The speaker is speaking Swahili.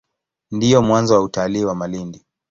Ndio mwanzo wa utalii wa Malindi.